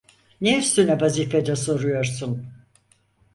Ne üstüne vazife de soruyorsun?